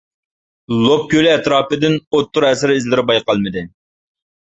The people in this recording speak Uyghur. لوپ كۆلى ئەتراپىدىن ئوتتۇرا ئەسىر ئىزلىرى بايقالمىدى.